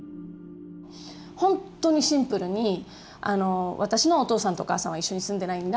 ほんとにシンプルに私のお父さんとお母さんは一緒に住んでないんだ。